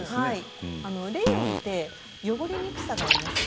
レーヨンは汚れにくさがあります。